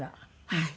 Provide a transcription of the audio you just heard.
はい。